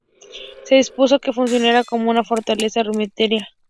Se dispuso que funcionará como una fortaleza rudimentaria.